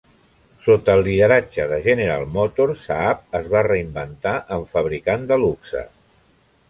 Sota el lideratge de General Motors, Saab es va reinventar en fabricant de luxe.